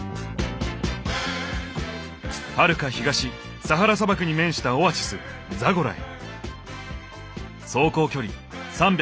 はるか東サハラ砂漠に面したオアシスザゴラへ。